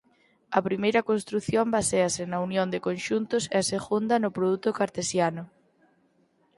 A primeira construción baséase na unión de conxuntos e a segunda no produto cartesiano.